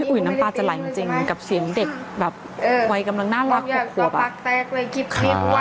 อุ๋ยน้ำปลาจะไหลจริงจริงกับเสียงเด็กแบบวัยกำลังน่ารัก